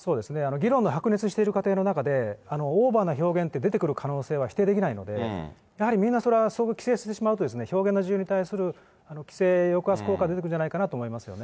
議論の白熱している過程の中で、オーバーな表現って出てくる可能性って否定できないので、やはりみんなそれを規制してしまうと、表現の自由に対する規制、抑圧効果が出てくるんじゃないかと思いますね。